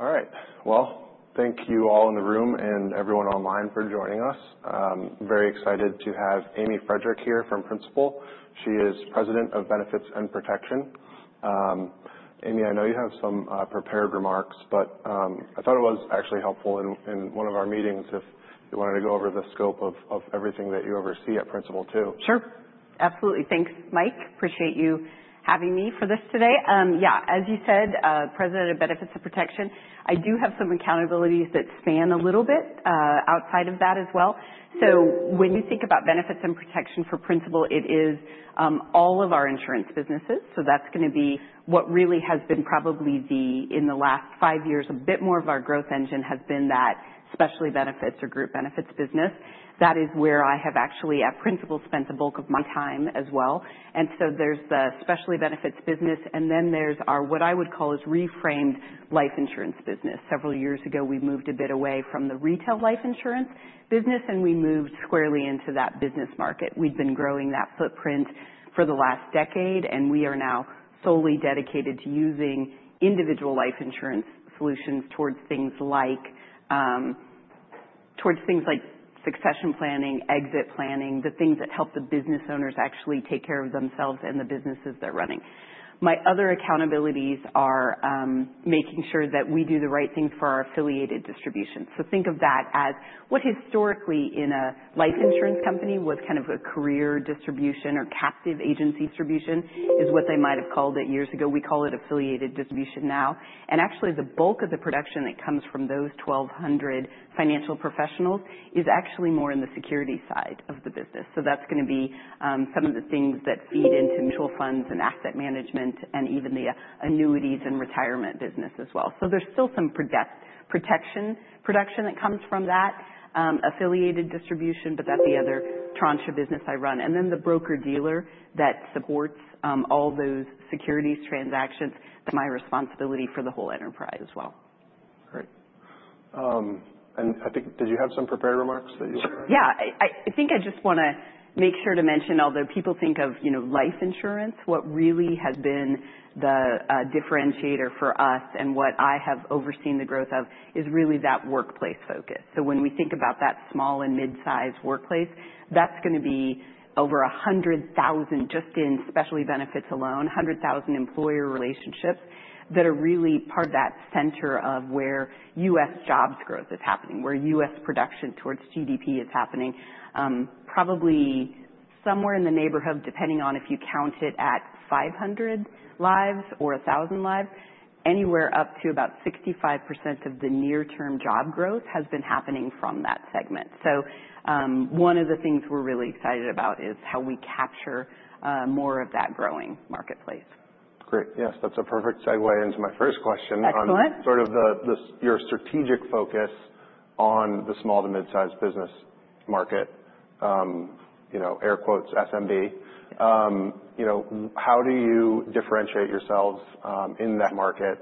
All right. Well, thank you all in the room and everyone online for joining us. I'm very excited to have Amy Friedrich here from Principal. She is President of Benefits and Protection. Amy, I know you have some prepared remarks, but I thought it was actually helpful in one of our meetings if you wanted to go over the scope of everything that you oversee at Principal too. Sure. Absolutely. Thanks, Mike. Appreciate you having me for this today. Yeah, as you said, President of Benefits and Protection, I do have some accountabilities that span a little bit outside of that as well. So when you think about benefits and protection for Principal, it is all of our insurance businesses. So that's going to be what really has been probably the, in the last five years, a bit more of our growth engine has been specialty benefits or group benefits business. That is where I have actually, at Principal, spent a bulk of my time as well. And so there's specialty benefits business, and then there's our what I would call life insurance business. several years ago, we moved a bit away from life insurance business, and we moved squarely into that business market. We've been growing that footprint for the last decade, and we are now solely dedicated to using individual life insurance solutions towards things like succession planning, exit planning, the things that help the business owners actually take care of themselves and the businesses they're running. My other accountabilities are making sure that we do the right things for our affiliated distribution. So think of that as what historically in a life insurance company was kind of a career distribution or captive agency distribution is what they might have called it years ago. We call it affiliated distribution now. And actually, the bulk of the production that comes from those 1,200 financial professionals is actually more in the securities side of the business. So that's going to be some of the things that feed into mutual funds and asset management and even the annuities and retirement business as well. So there's still some protection production that comes from that affiliated distribution, but that's the other tranche of business I run. And then the broker-dealer that supports all those securities transactions that's my responsibility for the whole enterprise as well. Great. And I think, did you have some prepared remarks that you wanted to? Yeah. I think I just want to make sure to mention, although people think of life insurance, what really has been the differentiator for us and what I have overseen the growth of is really that workplace focus. So when we think about that small and mid-sized workplace, that's going to be over 100,000 just specialty benefits alone, 100,000 employer relationships that are really part of that center of where U.S. jobs growth is happening, where U.S. production towards GDP is happening. Probably somewhere in the neighborhood, depending on if you count it at 500 lives or 1,000 lives, anywhere up to about 65% of the near-term job growth has been happening from that segment. So one of the things we're really excited about is how we capture more of that growing marketplace. Great. Yes, that's a perfect segue into my first question on sort of your strategic focus on the small to mid-sized business market, air quotes, SMB. How do you differentiate yourselves in that market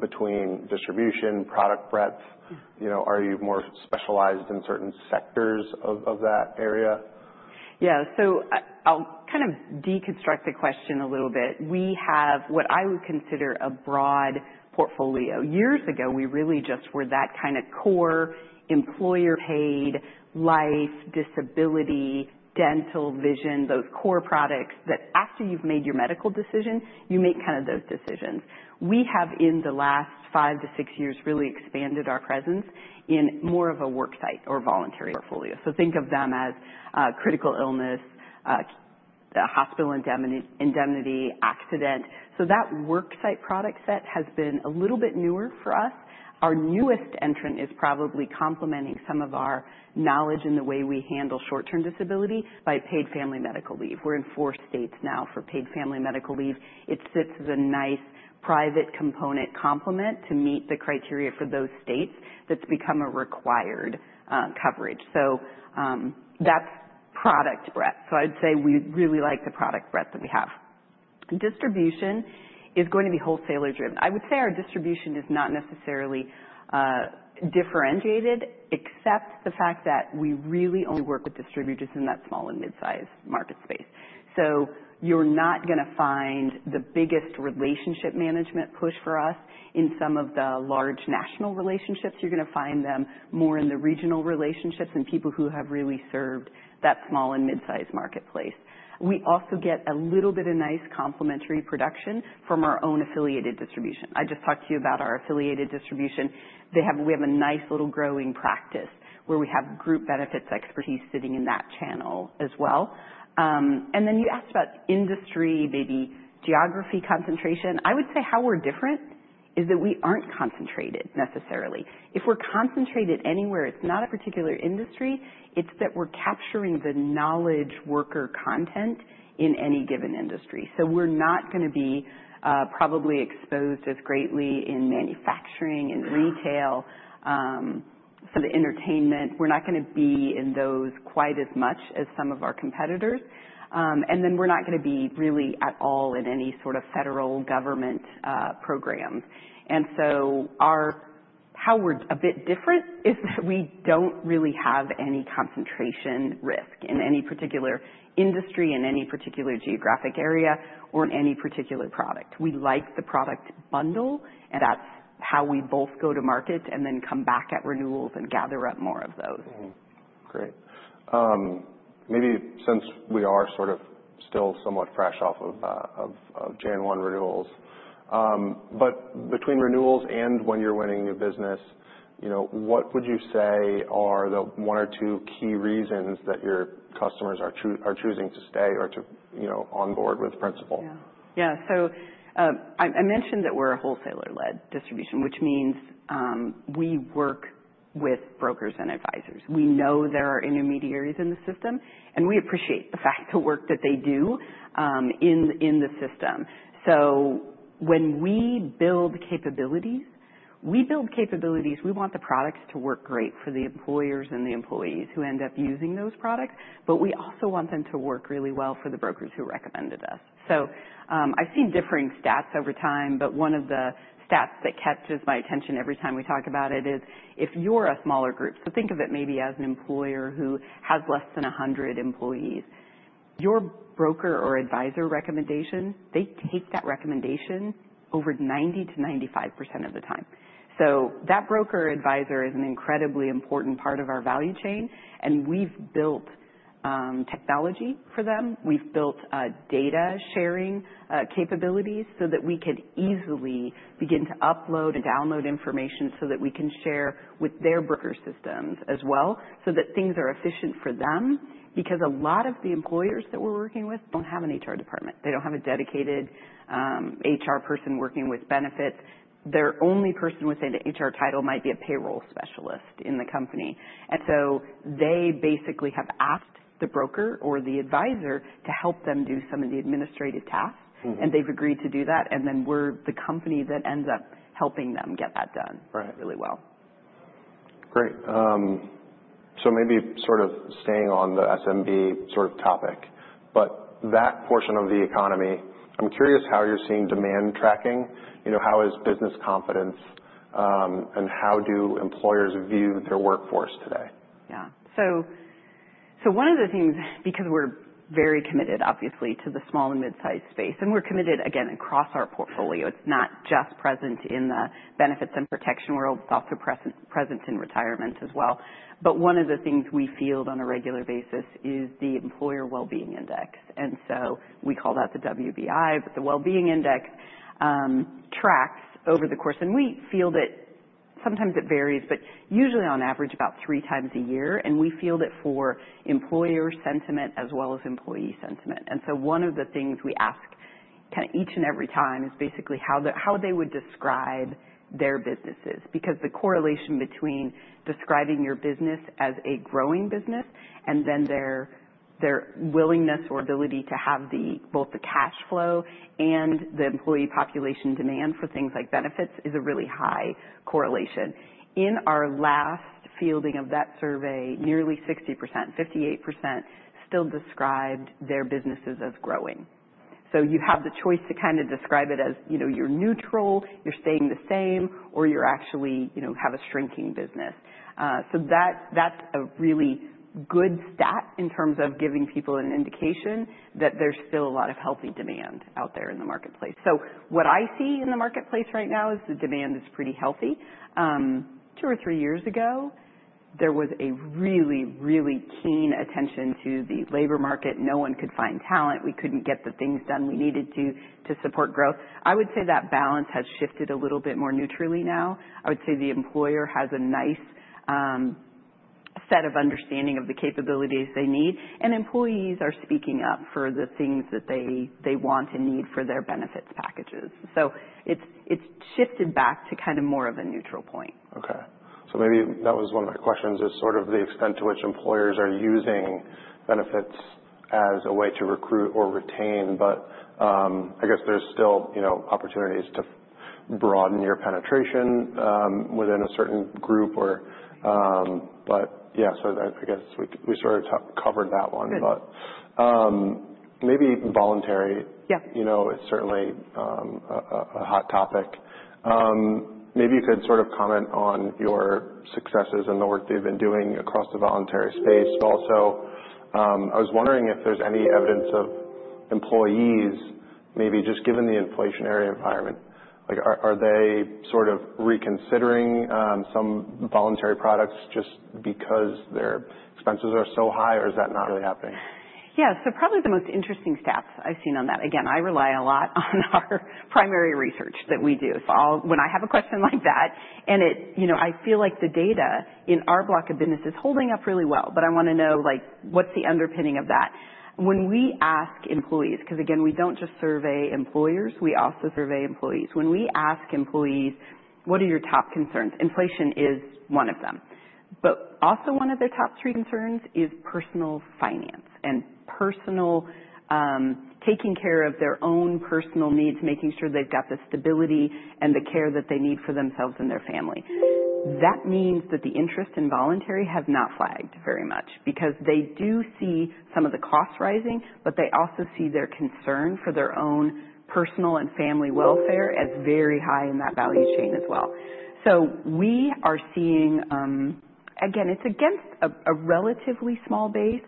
between distribution, product breadth? Are you more specialized in certain sectors of that area? Yeah. So I'll kind of deconstruct the question a little bit. We have what I would consider a broad portfolio. Years ago, we really just were that kind of core employer-paid life, disability, dental, vision, those core products that after you've made your medical decision, you make kind of those decisions. We have, in the last five to six years, really expanded our presence in more of a worksite or voluntary portfolio. So think of them as critical illness, hospital indemnity, accident. So that worksite product set has been a little bit newer for us. Our newest entrant is probably complementing some of our knowledge in the way we handle short-term disability by paid family medical leave. We're in four states now for paid family medical leave. It sits as a nice private component complement to meet the criteria for those states that's become a required coverage. So that's product breadth. So I'd say we really like the product breadth that we have. Distribution is going to be wholesaler-driven. I would say our distribution is not necessarily differentiated, except the fact that we really only work with distributors in that small and mid-sized market space. So you're not going to find the biggest relationship management push for us in some of the large national relationships. You're going to find them more in the regional relationships and people who have really served that small and mid-sized marketplace. We also get a little bit of nice complementary production from our own affiliated distribution. I just talked to you about our affiliated distribution. We have a nice little growing practice where we have group benefits expertise sitting in that channel as well. And then you asked about industry, maybe geography concentration. I would say how we're different is that we aren't concentrated necessarily. If we're concentrated anywhere, it's not a particular industry. It's that we're capturing the knowledge worker content in any given industry. So we're not going to be probably exposed as greatly in manufacturing, in retail, some of the entertainment. We're not going to be in those quite as much as some of our competitors. And then we're not going to be really at all in any sort of federal government programs. And so how we're a bit different is that we don't really have any concentration risk in any particular industry, in any particular geographic area, or in any particular product. We like the product bundle, and that's how we both go to market and then come back at renewals and gather up more of those. Great. Maybe since we are sort of still somewhat fresh off of January 1 renewals, but between renewals and when you're winning new business, what would you say are the one or two key reasons that your customers are choosing to stay or to onboard with Principal? Yeah. So I mentioned that we're a wholesaler-led distribution, which means we work with brokers and advisors. We know there are intermediaries in the system, and we appreciate the fact of the work that they do in the system. So when we build capabilities, we build capabilities. We want the products to work great for the employers and the employees who end up using those products, but we also want them to work really well for the brokers who recommended us. So I've seen differing stats over time, but one of the stats that catches my attention every time we talk about it is if you're a smaller group, so think of it maybe as an employer who has less than 100 employees, your broker or advisor recommendation, they take that recommendation over 90%-95% of the time. So that broker advisor is an incredibly important part of our value chain, and we've built technology for them. We've built data sharing capabilities so that we could easily begin to upload and download information so that we can share with their broker systems as well so that things are efficient for them because a lot of the employers that we're working with don't have an HR department. They don't have a dedicated HR person working with benefits. Their only person with an HR title might be a payroll specialist in the company. And so they basically have asked the broker or the advisor to help them do some of the administrative tasks, and they've agreed to do that. And then we're the company that ends up helping them get that done really well. Great. So maybe sort of staying on the SMB sort of topic, but that portion of the economy, I'm curious how you're seeing demand tracking. How is business confidence and how do employers view their workforce today? Yeah. So one of the things, because we're very committed, obviously, to the small and mid-sized space, and we're committed, again, across our portfolio. It's not just present in the benefits and protection world. It's also present in retirement as well. But one of the things we field on a regular basis is the employer Well-Being Index. And so we call that the WBI, but the Well-Being Index tracks over the course, and we field it. Sometimes it varies, but usually on average about three times a year, and we field it for employer sentiment as well as employee sentiment. And so one of the things we ask kind of each and every time is basically how they would describe their businesses because the correlation between describing your business as a growing business and then their willingness or ability to have both the cash flow and the employee population demand for things like benefits is a really high correlation. In our last fielding of that survey, nearly 60%, 58% still described their businesses as growing. So you have the choice to kind of describe it as you're neutral, you're staying the same, or you actually have a shrinking business. So that's a really good stat in terms of giving people an indication that there's still a lot of healthy demand out there in the marketplace. So what I see in the marketplace right now is the demand is pretty healthy. Two or three years ago, there was a really, really keen attention to the labor market. No one could find talent. We couldn't get the things done we needed to support growth. I would say that balance has shifted a little bit more neutrally now. I would say the employer has a nice set of understanding of the capabilities they need, and employees are speaking up for the things that they want and need for their benefits packages. So it's shifted back to kind of more of a neutral point. Okay. So maybe that was one of my questions is sort of the extent to which employers are using benefits as a way to recruit or retain, but I guess there's still opportunities to broaden your penetration within a certain group. But yeah, so I guess we sort of covered that one, but maybe voluntary. It's certainly a hot topic. Maybe you could sort of comment on your successes and the work that you've been doing across the voluntary space. But also, I was wondering if there's any evidence of employees, maybe just given the inflationary environment, are they sort of reconsidering some voluntary products just because their expenses are so high, or is that not really happening? Yeah. So probably the most interesting stats I've seen on that, again, I rely a lot on our primary research that we do. So when I have a question like that, and I feel like the data in our block of business is holding up really well, but I want to know what's the underpinning of that. When we ask employees, because again, we don't just survey employers, we also survey employees. When we ask employees, what are your top concerns? Inflation is one of them. But also one of their top three concerns is personal finance and taking care of their own personal needs, making sure they've got the stability and the care that they need for themselves and their family. That means that the interest in voluntary has not flagged very much because they do see some of the costs rising, but they also see their concern for their own personal and family welfare as very high in that value chain as well. So we are seeing, again, it's against a relatively small base,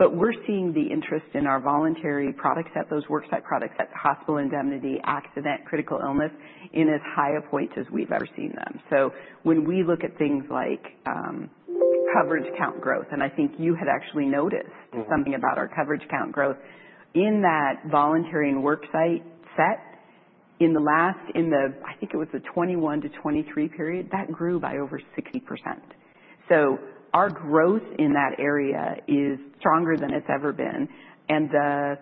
but we're seeing the interest in our voluntary products at those worksite products at the hospital indemnity, accident, critical illness in as high a point as we've ever seen them. So when we look at things like coverage count growth, and I think you had actually noticed something about our coverage count growth in that voluntary and worksite set in the last, I think it was the 2021 to 2023 period, that grew by over 60%. So our growth in that area is stronger than it's ever been. And the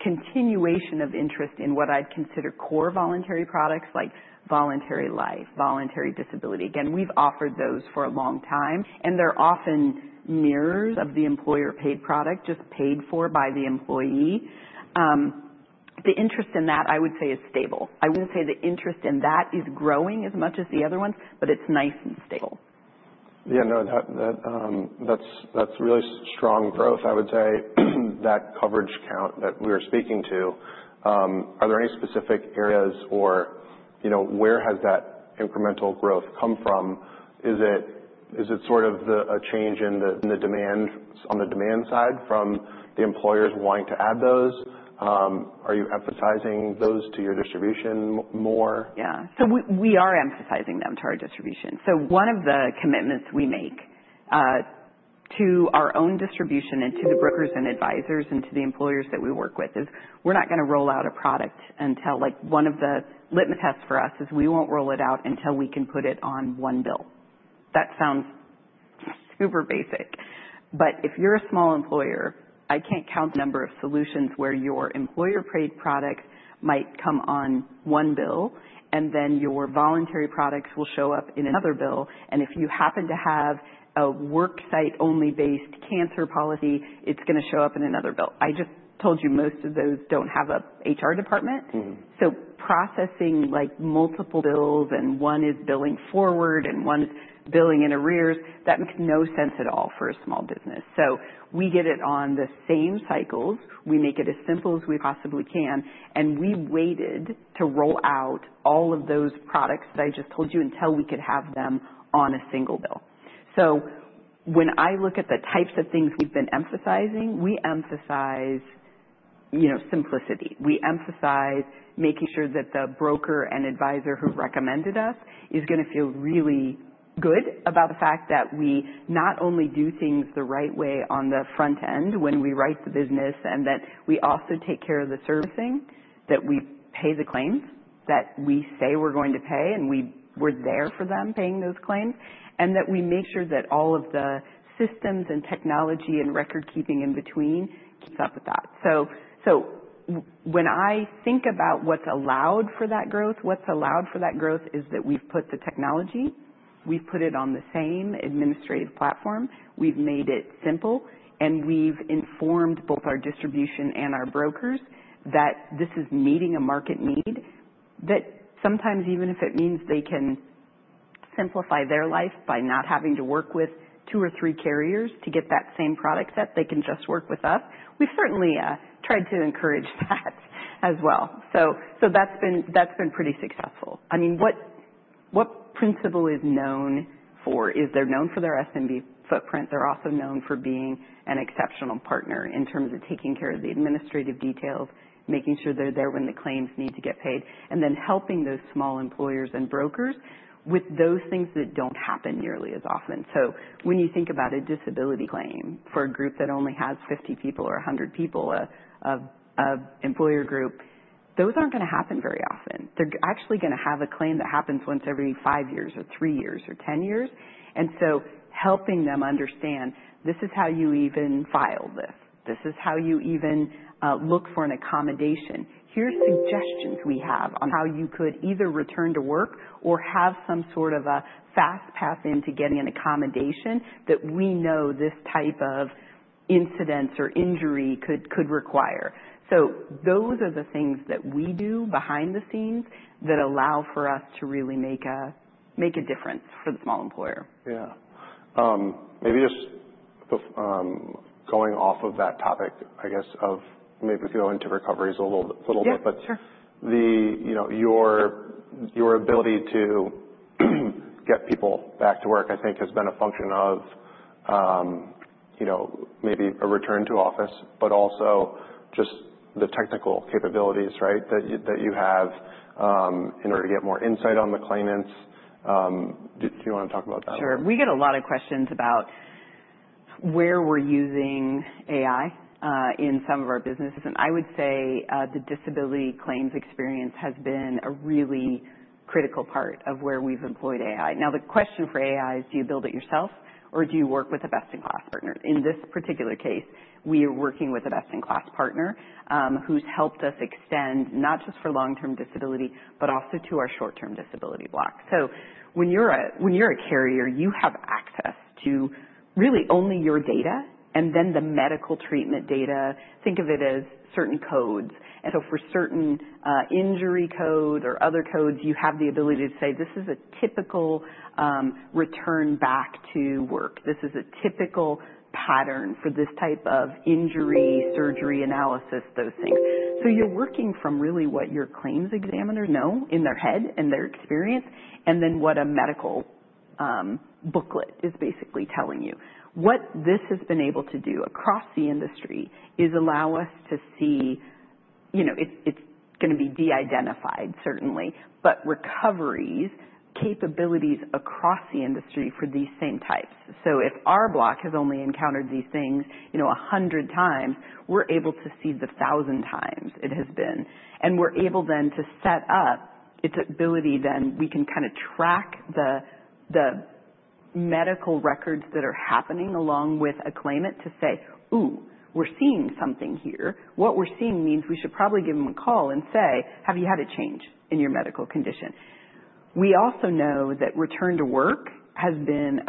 continuation of interest in what I'd consider core voluntary products like voluntary life, voluntary disability, again, we've offered those for a long time, and they're often mirrors of the employer-paid product just paid for by the employee. The interest in that, I would say, is stable. I wouldn't say the interest in that is growing as much as the other ones, but it's nice and stable. Yeah. No, that's really strong growth. I would say that coverage count that we are speaking to, are there any specific areas or where has that incremental growth come from? Is it sort of a change on the demand side from the employers wanting to add those? Are you emphasizing those to your distribution more? Yeah. So we are emphasizing them to our distribution. So one of the commitments we make to our own distribution and to the brokers and advisors and to the employers that we work with is we're not going to roll out a product until one of the litmus tests for us is we won't roll it out until we can put it on one bill. That sounds super basic, but if you're a small employer, I can't count the number of solutions where your employer-paid products might come on one bill, and then your voluntary products will show up in another bill. And if you happen to have a worksite-only based cancer policy, it's going to show up in another bill. I just told you most of those don't have an HR department. So, processing multiple bills and one is billing forward and one is billing in arrears, that makes no sense at all for a small business. So we get it on the same cycles. We make it as simple as we possibly can, and we waited to roll out all of those products that I just told you until we could have them on a single bill. So when I look at the types of things we've been emphasizing, we emphasize simplicity. We emphasize making sure that the broker and advisor who recommended us is going to feel really good about the fact that we not only do things the right way on the front end when we write the business, and that we also take care of the servicing, that we pay the claims that we say we're going to pay, and we're there for them paying those claims, and that we make sure that all of the systems and technology and record keeping in between keeps up with that. So when I think about what's allowed for that growth, what's allowed for that growth is that we've put the technology, we've put it on the same administrative platform, we've made it simple, and we've informed both our distribution and our brokers that this is meeting a market need, that sometimes even if it means they can simplify their life by not having to work with two or three carriers to get that same product set, they can just work with us. We've certainly tried to encourage that as well. So that's been pretty successful. I mean, what Principal is known for is they're known for their SMB footprint. They're also known for being an exceptional partner in terms of taking care of the administrative details, making sure they're there when the claims need to get paid, and then helping those small employers and brokers with those things that don't happen nearly as often. So when you think about a disability claim for a group that only has 50 people or 100 people, an employer group, those aren't going to happen very often. They're actually going to have a claim that happens once every five years or three years or 10 years, and so helping them understand, this is how you even file this. This is how you even look for an accommodation. Here's suggestions we have on how you could either return to work or have some sort of a fast path into getting an accommodation that we know this type of incident or injury could require. So those are the things that we do behind the scenes that allow for us to really make a difference for the small employer. Yeah. Maybe just going off of that topic, I guess, of maybe we could go into recovery a little bit, but your ability to get people back to work, I think, has been a function of maybe a return to office, but also just the technical capabilities, right, that you have in order to get more insight on the claimants. Do you want to talk about that? Sure. We get a lot of questions about where we're using AI in some of our businesses, and I would say the disability claims experience has been a really critical part of where we've employed AI. Now, the question for AI is, do you build it yourself, or do you work with a best-in-class partner? In this particular case, we are working with a best-in-class partner who's helped us extend not just for long-term disability, but also to our short-term disability block. So when you're a carrier, you have access to really only your data and then the medical treatment data. Think of it as certain codes, and so for certain injury codes or other codes, you have the ability to say, this is a typical return back to work. This is a typical pattern for this type of injury, surgery, analysis, those things. You're working from really what your claims examiner knows in their head and their experience, and then what a medical booklet is basically telling you. What this has been able to do across the industry is allow us to see it's going to be de-identified, certainly, but recoveries, capabilities across the industry for these same types. If our block has only encountered these things 100 times, we're able to see the 1,000 times it has been. We're able then to set up its ability then we can kind of track the medical records that are happening along with a claimant to say, ooh, we're seeing something here. What we're seeing means we should probably give them a call and say, have you had a change in your medical condition? We also know that return to work has been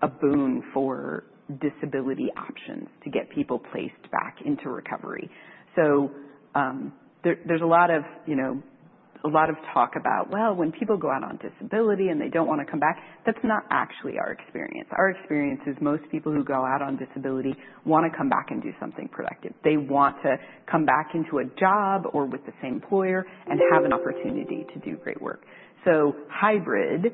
a boon for disability options to get people placed back into recovery. So there's a lot of talk about, well, when people go out on disability and they don't want to come back, that's not actually our experience. Our experience is most people who go out on disability want to come back and do something productive. They want to come back into a job or with the same employer and have an opportunity to do great work. So hybrid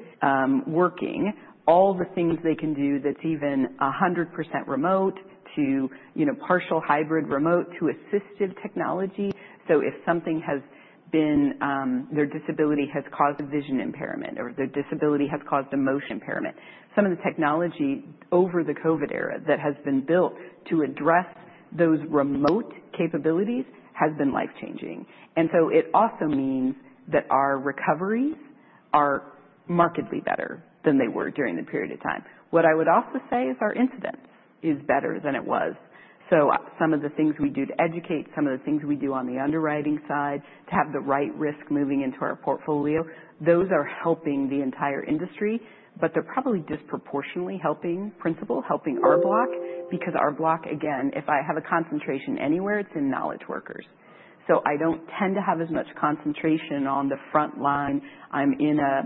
working, all the things they can do, that's even 100% remote to partial hybrid remote to assistive technology. So if their disability has caused a vision impairment or their disability has caused a motion impairment, some of the technology over the COVID era that has been built to address those remote capabilities has been life-changing. And so it also means that our recoveries are markedly better than they were during the period of time. What I would also say is our incidence is better than it was. So some of the things we do to educate, some of the things we do on the underwriting side to have the right risk moving into our portfolio, those are helping the entire industry, but they're probably disproportionately helping Principal, helping our block because our block, again, if I have a concentration anywhere, it's in knowledge workers. So I don't tend to have as much concentration on the front line. I'm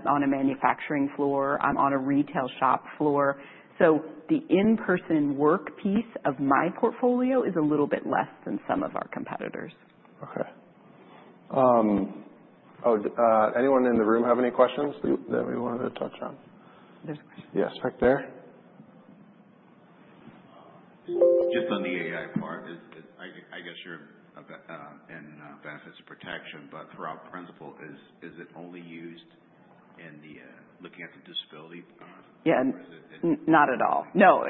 on a manufacturing floor. I'm on a retail shop floor. So the in-person work piece of my portfolio is a little bit less than some of our competitors. Okay. Oh, anyone in the room have any questions that we wanted to touch on? There's a question. Yes, right there. Just on the AI part, I guess you're in benefits and protection, but throughout Principal, is it only used in the looking at the disability part? Yeah. Not at all. No,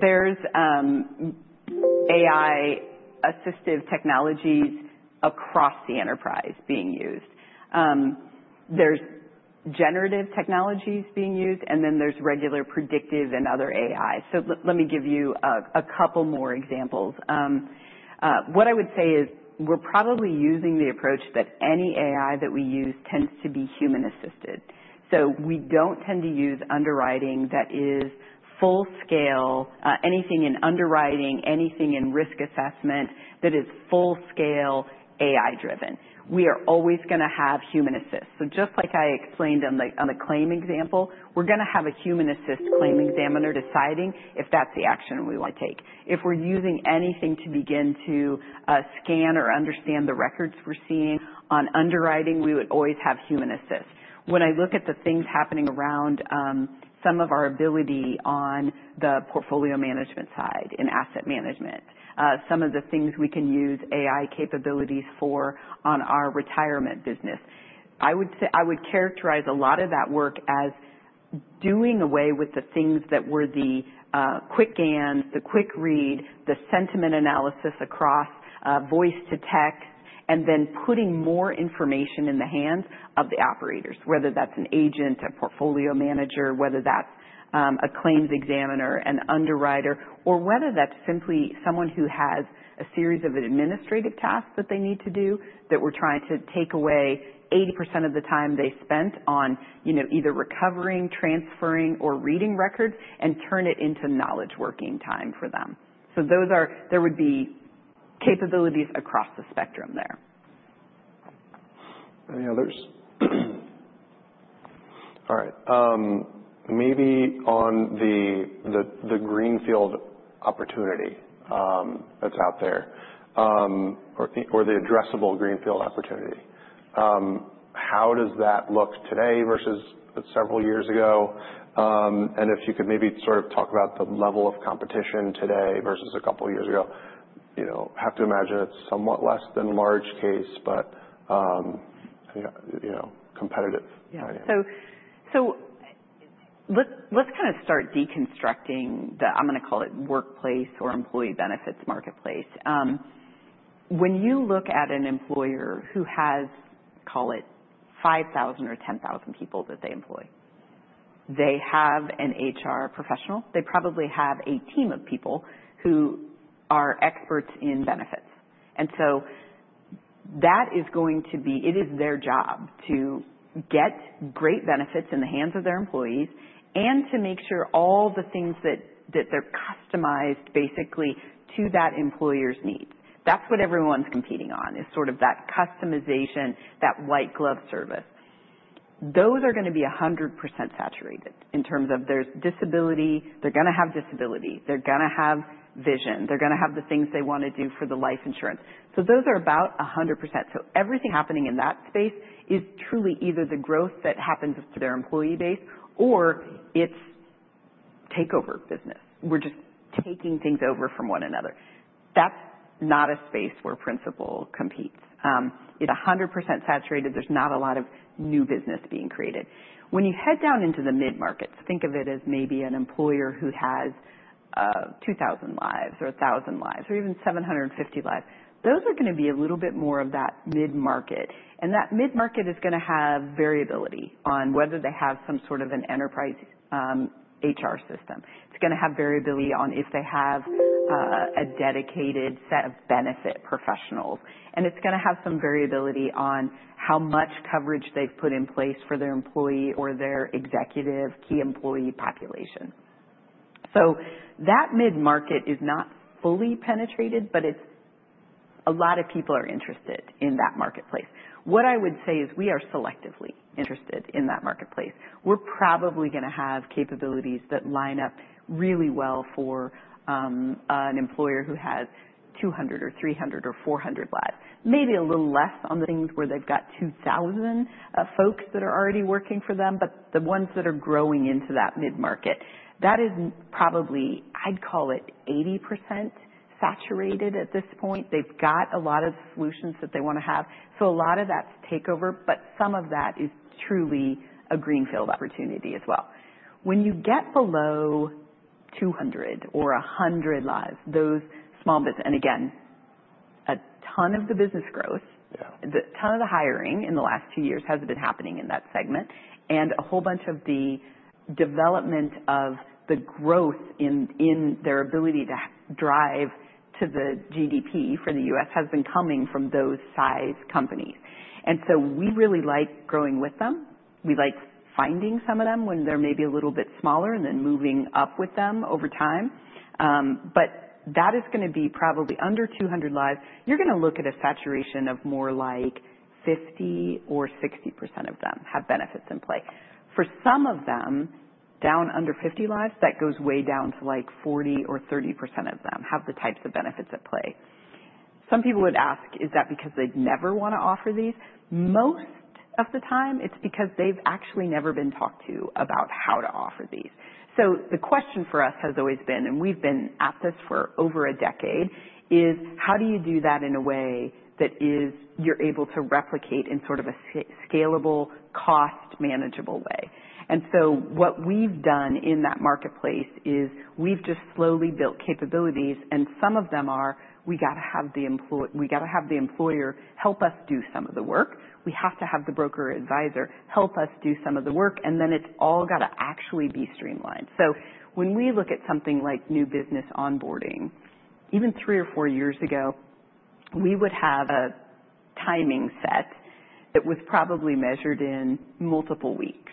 there's AI assistive technologies across the enterprise being used. There's generative technologies being used, and then there's regular predictive and other AI. So let me give you a couple more examples. What I would say is we're probably using the approach that any AI that we use tends to be human-assisted. So we don't tend to use underwriting that is full-scale, anything in underwriting, anything in risk assessment that is full-scale AI-driven. We are always going to have human-assist. So just like I explained on the claim example, we're going to have a human-assist claim examiner deciding if that's the action we want to take. If we're using anything to begin to scan or understand the records we're seeing on underwriting, we would always have human-assist. When I look at the things happening around some of our ability on the portfolio management side in asset management, some of the things we can use AI capabilities for on our retirement business, I would characterize a lot of that work as doing away with the things that were the quick wins, the quick read, the sentiment analysis across voice to text, and then putting more information in the hands of the operators, whether that's an agent, a portfolio manager, whether that's a claims examiner, an underwriter, or whether that's simply someone who has a series of administrative tasks that they need to do that we're trying to take away 80% of the time they spent on either recovering, transferring, or reading records and turn it into knowledge working time for them. So there would be capabilities across the spectrum there. Any others? All right. Maybe on the greenfield opportunity that's out there or the addressable greenfield opportunity, how does that look today versus several years ago? And if you could maybe sort of talk about the level of competition today versus a couple of years ago, I have to imagine it's somewhat less than large case, but competitive. Yeah. So let's kind of start deconstructing the, I'm going to call it, workplace or employee benefits marketplace. When you look at an employer who has, call it 5,000 or 10,000 people that they employ, they have an HR professional. They probably have a team of people who are experts in benefits. And so that is going to be. It is their job to get great benefits in the hands of their employees and to make sure all the things that they're customized basically to that employer's needs. That's what everyone's competing on is sort of that customization, that white glove service. Those are going to be 100% saturated in terms of there's disability, they're going to have disability, they're going to have vision, they're going to have the things they want to do for the life insurance. So those are about 100%. So everything happening in that space is truly either the growth that happens for their employee base or it's takeover business. We're just taking things over from one another. That's not a space where Principal competes. It's 100% saturated. There's not a lot of new business being created. When you head down into the mid-market, think of it as maybe an employer who has 2,000 lives or 1,000 lives or even 750 lives. Those are going to be a little bit more of that mid-market, and that mid-market is going to have variability on whether they have some sort of an enterprise HR system. It's going to have variability on if they have a dedicated set of benefit professionals, and it's going to have some variability on how much coverage they've put in place for their employee or their executive key employee population. So that mid-market is not fully penetrated, but a lot of people are interested in that marketplace. What I would say is we are selectively interested in that marketplace. We're probably going to have capabilities that line up really well for an employer who has 200 or 300 or 400 lives. Maybe a little less on the things where they've got 2,000 folks that are already working for them, but the ones that are growing into that mid-market. That is probably, I'd call it 80% saturated at this point. They've got a lot of solutions that they want to have. So a lot of that's takeover, but some of that is truly a greenfield opportunity as well. When you get below 200 or 100 lives, those small businesses, and again, a ton of the business growth, a ton of the hiring in the last two years has been happening in that segment, and a whole bunch of the development of the growth in their ability to drive to the GDP for the U.S. has been coming from those size companies. We really like growing with them. We like finding some of them when they're maybe a little bit smaller and then moving up with them over time. But that is going to be probably under 200 lives. You're going to look at a saturation of more like 50% or 60% of them have benefits in play. For some of them, down under 50 lives, that goes way down to like 40% or 30% of them have the types of benefits at play. Some people would ask, is that because they'd never want to offer these? Most of the time, it's because they've actually never been talked to about how to offer these. So the question for us has always been, and we've been at this for over a decade, is how do you do that in a way that you're able to replicate in sort of a scalable, cost-manageable way? And so what we've done in that marketplace is we've just slowly built capabilities, and some of them are, we got to have the employer help us do some of the work. We have to have the broker advisor help us do some of the work, and then it's all got to actually be streamlined. When we look at something like new business onboarding, even three or four years ago, we would have a timing set that was probably measured in multiple weeks.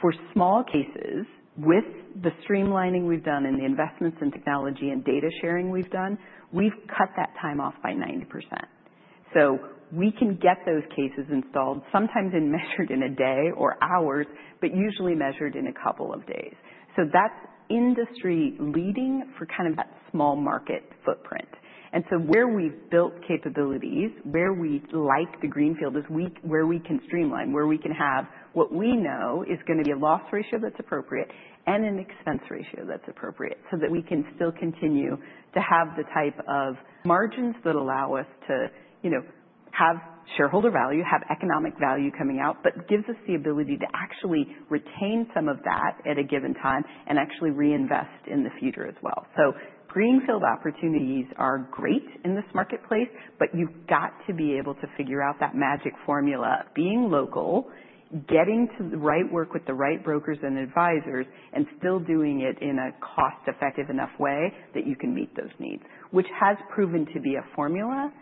For small cases, with the streamlining we've done and the investments in technology and data sharing we've done, we've cut that time off by 90%. We can get those cases installed, sometimes measured in a day or hours, but usually measured in a couple of days. That's industry-leading for kind of that small market footprint. And so, where we've built capabilities, where we like the greenfield is where we can streamline, where we can have what we know is going to be a loss ratio that's appropriate and an expense ratio that's appropriate so that we can still continue to have the type of margins that allow us to have shareholder value, have economic value coming out, but gives us the ability to actually retain some of that at a given time and actually reinvest in the future as well. So greenfield opportunities are great in this marketplace, but you've got to be able to figure out that magic formula of being local, getting to the right work with the right brokers and advisors, and still doing it in a cost-effective enough way that you can meet those needs, which has proven to be a formula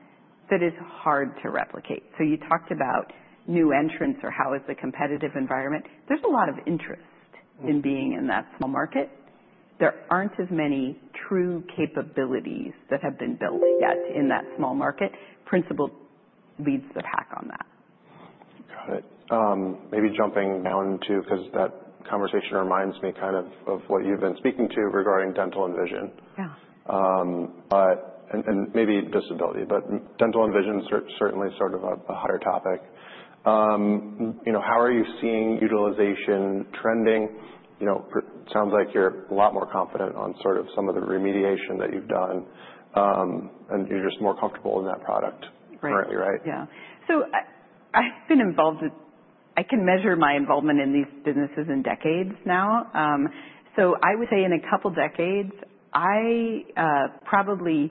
that is hard to replicate. So you talked about new entrants or how is the competitive environment? There's a lot of interest in being in that small market. There aren't as many true capabilities that have been built yet in that small market. Principal leads the pack on that. Got it. Maybe jumping down to, because that conversation reminds me kind of of what you've been speaking to regarding dental and vision. And maybe disability, but dental and vision is certainly sort of a hotter topic. How are you seeing utilization trending? It sounds like you're a lot more confident on sort of some of the remediation that you've done, and you're just more comfortable in that product currently, right? Yeah. So I've been involved in. I can measure my involvement in these businesses in decades now. So I would say in a couple of decades, I probably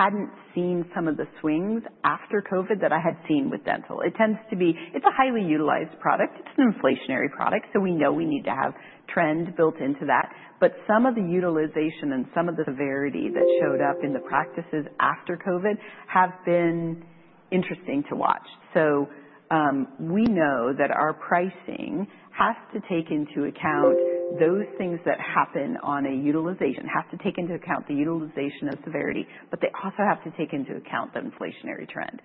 hadn't seen some of the swings after COVID that I had seen with dental. It tends to be. It's a highly utilized product. It's an inflationary product. So we know we need to have trend built into that. But some of the utilization and some of the severity that showed up in the practices after COVID have been interesting to watch. So we know that our pricing has to take into account those things that happen on a utilization, has to take into account the utilization of severity, but they also have to take into account the inflationary trend.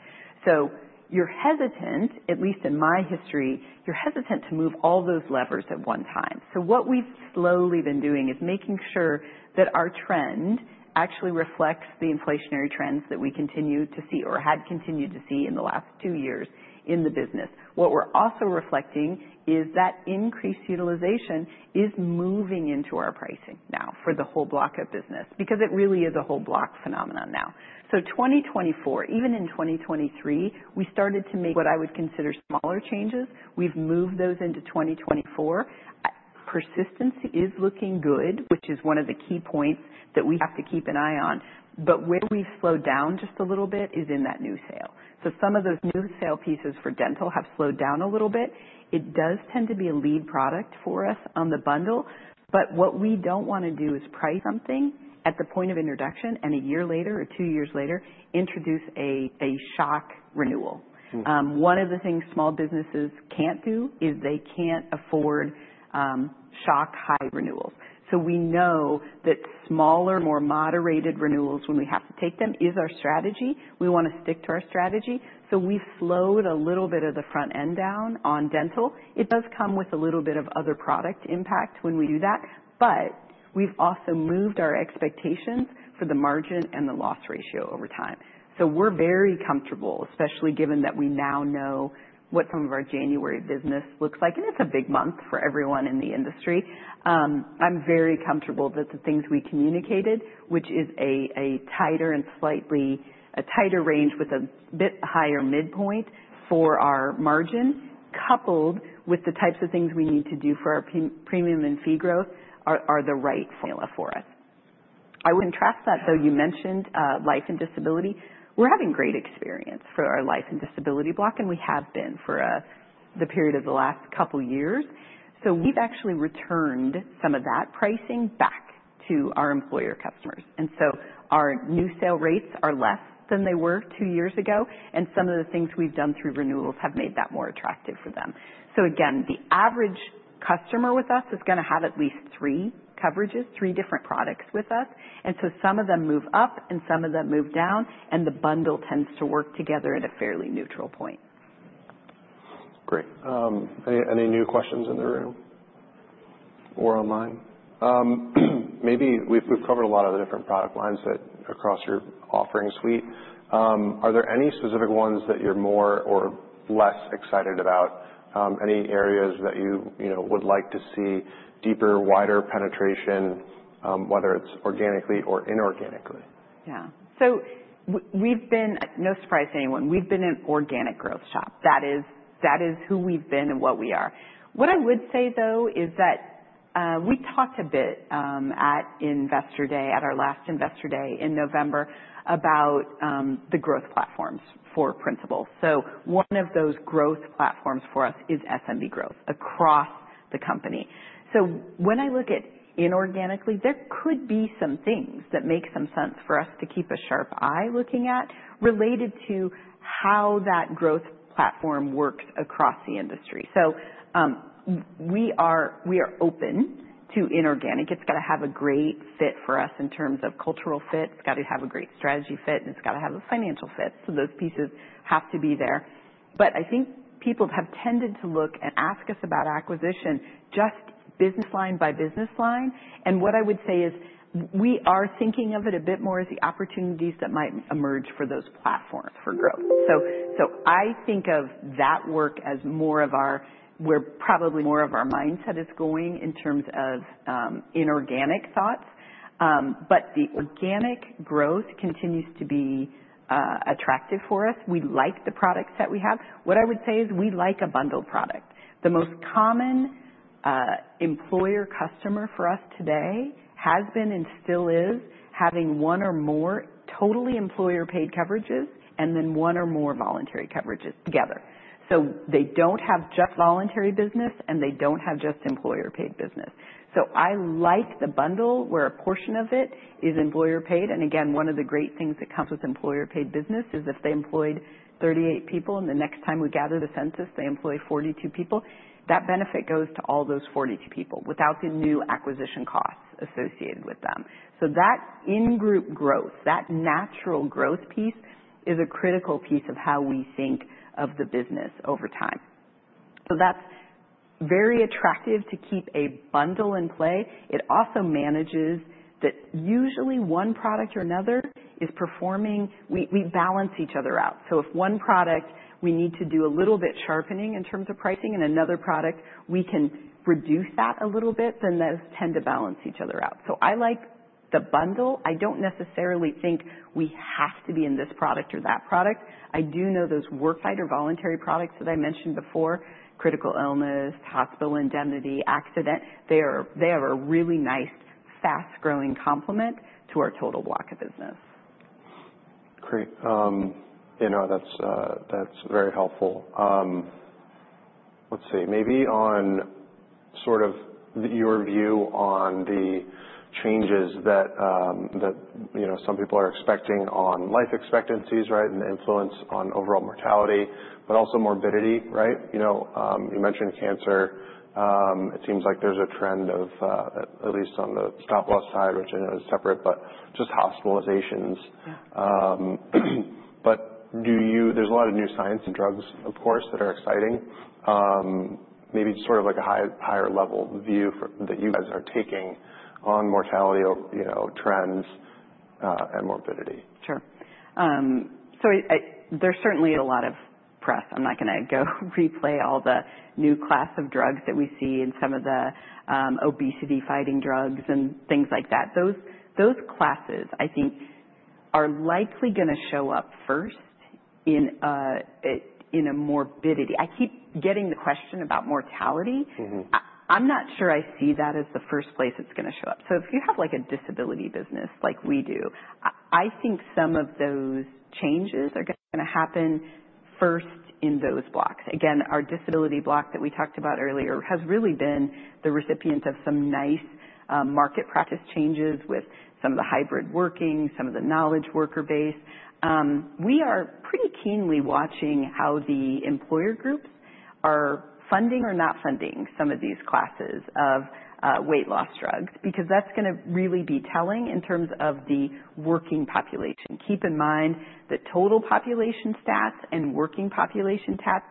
So you're hesitant, at least in my history, you're hesitant to move all those levers at one time. So what we've slowly been doing is making sure that our trend actually reflects the inflationary trends that we continue to see or had continued to see in the last two years in the business. What we're also reflecting is that increased utilization is moving into our pricing now for the whole block of business because it really is a whole block phenomenon now. So 2024, even in 2023, we started to make what I would consider smaller changes. We've moved those into 2024. Persistency is looking good, which is one of the key points that we have to keep an eye on. But where we've slowed down just a little bit is in that new sale. So some of those new sale pieces for dental have slowed down a little bit. It does tend to be a lead product for us on the bundle, but what we don't want to do is price something at the point of introduction and a year later or two years later, introduce a shock renewal. One of the things small businesses can't do is they can't afford shock high renewals. So we know that smaller, more moderated renewals when we have to take them is our strategy. We want to stick to our strategy. So we've slowed a little bit of the front end down on dental. It does come with a little bit of other product impact when we do that, but we've also moved our expectations for the margin and the loss ratio over time. So we're very comfortable, especially given that we now know what some of our January business looks like, and it's a big month for everyone in the industry. I'm very comfortable that the things we communicated, which is a tighter and slightly tighter range with a bit higher midpoint for our margin, coupled with the types of things we need to do for our premium and fee growth, are the right formula for us. I would contrast that, though you mentioned life and disability. We're having great experience for our life and disability block, and we have been for the period of the last couple of years. So we've actually returned some of that pricing back to our employer customers. And so our new sale rates are less than they were two years ago, and some of the things we've done through renewals have made that more attractive for them. So again, the average customer with us is going to have at least three coverages, three different products with us. And so some of them move up and some of them move down, and the bundle tends to work together at a fairly neutral point. Great. Any new questions in the room or online? Maybe we've covered a lot of the different product lines across your offering suite. Are there any specific ones that you're more or less excited about? Any areas that you would like to see deeper, wider penetration, whether it's organically or inorganically? Yeah. So we've been, no surprise to anyone, we've been an organic growth shop. That is who we've been and what we are. What I would say, though, is that we talked a bit at Investor Day, at our last Investor Day in November, about the growth platforms for Principal. So one of those growth platforms for us is SMB growth across the company. So when I look at inorganically, there could be some things that make some sense for us to keep a sharp eye looking at related to how that growth platform works across the industry. So we are open to inorganic. It's got to have a great fit for us in terms of cultural fit. It's got to have a great strategy fit, and it's got to have a financial fit. So those pieces have to be there. But I think people have tended to look and ask us about acquisition just business line by business line. And what I would say is we are thinking of it a bit more as the opportunities that might emerge for those platforms for growth. So I think of that work as more of our, where probably more of our mindset is going in terms of inorganic thoughts. But the organic growth continues to be attractive for us. We like the products that we have. What I would say is we like a bundled product. The most common employer customer for us today has been and still is having one or more totally employer-paid coverages and then one or more voluntary coverages together. So they don't have just voluntary business, and they don't have just employer-paid business. So I like the bundle where a portion of it is employer-paid. And again, one of the great things that comes with employer-paid business is if they employed 38 people, and the next time we gather the census, they employ 42 people, that benefit goes to all those 42 people without the new acquisition costs associated with them. So that in-group growth, that natural growth piece is a critical piece of how we think of the business over time. So that's very attractive to keep a bundle in play. It also manages that usually one product or another is performing. We balance each other out. So if one product we need to do a little bit sharpening in terms of pricing and another product we can reduce that a little bit, then those tend to balance each other out. So I like the bundle. I don't necessarily think we have to be in this product or that product. I do know those worksite voluntary products that I mentioned before, critical illness, hospital indemnity, accident. They are a really nice, fast-growing complement to our total block of business. Great. Yeah, no, that's very helpful. Let's see. Maybe on sort of your view on the changes that some people are expecting on life expectancies, right, and the influence on overall mortality, but also morbidity, right? You mentioned cancer. It seems like there's a trend of, at least on the stop-loss side, which I know is separate, but just hospitalizations. But there's a lot of new science and drugs, of course, that are exciting. Maybe sort of like a higher level view that you guys are taking on mortality trends and morbidity. Sure. So there's certainly a lot of press. I'm not going to go through all the new classes of drugs that we see and some of the obesity-fighting drugs and things like that. Those classes, I think, are likely going to show up first in morbidity. I keep getting the question about mortality. I'm not sure I see that as the first place it's going to show up. So if you have a disability business like we do, I think some of those changes are going to happen first in those blocks. Again, our disability block that we talked about earlier has really been the recipient of some nice market practice changes with some of the hybrid working, some of the knowledge worker base. We are pretty keenly watching how the employer groups are funding or not funding some of these classes of weight loss drugs because that's going to really be telling in terms of the working population. Keep in mind that total population stats and working population stats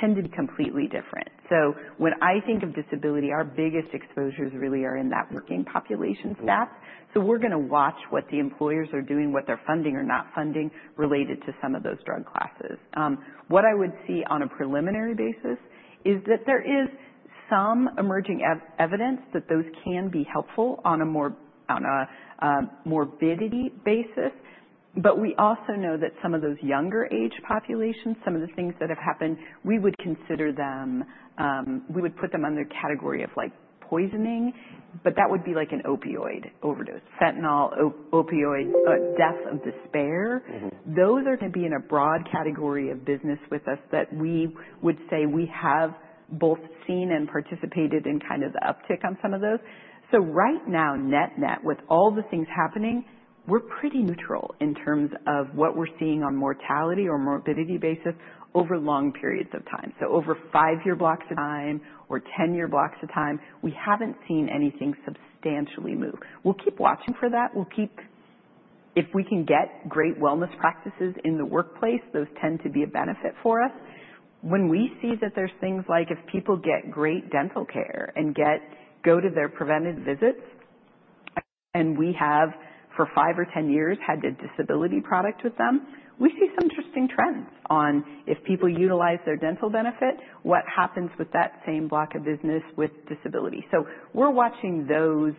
tend to be completely different. So when I think of disability, our biggest exposures really are in that working population stats. So we're going to watch what the employers are doing, what they're funding or not funding related to some of those drug classes. What I would see on a preliminary basis is that there is some emerging evidence that those can be helpful on a morbidity basis. But we also know that some of those younger age populations, some of the things that have happened, we would consider them, we would put them under the category of poisoning, but that would be like an opioid overdose, fentanyl, opioid, death of despair. Those are going to be in a broad category of business with us that we would say we have both seen and participated in kind of the uptick on some of those. So right now, net-net with all the things happening, we're pretty neutral in terms of what we're seeing on mortality or morbidity basis over long periods of time. So over five-year blocks of time or ten-year blocks of time, we haven't seen anything substantially move. We'll keep watching for that. If we can get great wellness practices in the workplace, those tend to be a benefit for us. When we see that there's things like if people get great dental care and go to their preventative visits, and we have for five or 10 years had a disability product with them, we see some interesting trends on if people utilize their dental benefit, what happens with that same block of business with disability, so we're watching those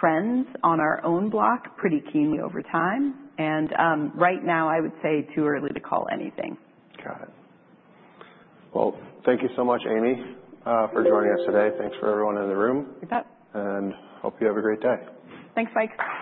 trends on our own block pretty keenly over time, and right now, I would say too early to call anything. Got it. Well, thank you so much, Amy, for joining us today. Thanks for everyone in the room. You bet. Hope you have a great day. Thanks, Mike.